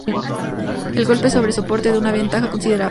El golpe sobre soporte da una ventaja considerable.